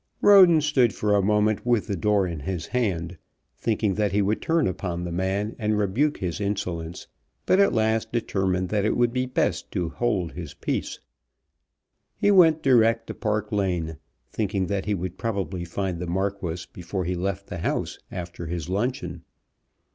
Roden stood for a moment with the door in his hand, thinking that he would turn upon the man and rebuke his insolence, but at last determined that it would be best to hold his peace. He went direct to Park Lane, thinking that he would probably find the Marquis before he left the house after his luncheon.